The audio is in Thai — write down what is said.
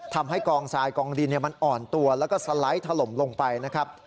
ทำให้กองทรายกองดินมันอ่อนตัวแล้วก็สไลด์ถล่มลงไปนะครับ